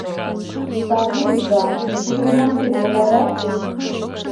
Савлий изан, кутырымашет могайрак?